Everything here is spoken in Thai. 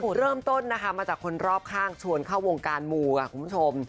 เริ่มต้นนะคะมาจากคนรอบข้างชวนเข้าวงการมูค่ะคุณผู้ชม